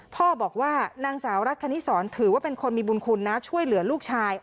พ่อบอกว่านางสาวรัฐคณิสรถือว่าเป็นคนมีบุญคุณนะช่วยเหลือลูกชาย